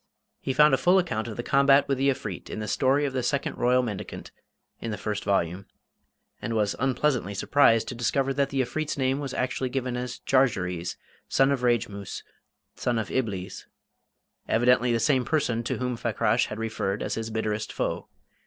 He found a full account of the combat with the Efreet in "The Story of the Second Royal Mendicant" in the first volume, and was unpleasantly surprised to discover that the Efreet's name was actually given as "Jarjarees, the son of Rejmoos, the son of Iblees" evidently the same person to whom Fakrash had referred as his bitterest foe.